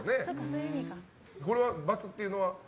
これは×というのは？